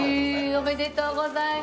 おめでとうございます。